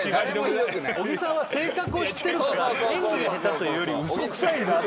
小木さんは性格を知ってるから演技が下手というより嘘くさいなって。